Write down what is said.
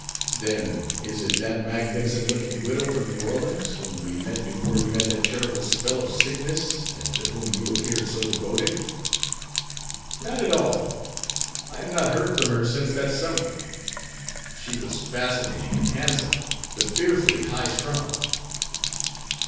"Then, is it that magnificent looking widow from New Orleans, whom we met before you had that terrible spell of sickness and to whom you appeared so devoted?" "Not at all. I have not heard from her since that summer. She was fascinating and handsome, but fearfully high strung."